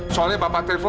soalnya bapak telepon